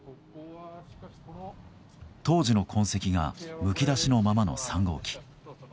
当時の痕跡がむき出しのままの３号機。